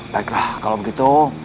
baiklah kalau begitu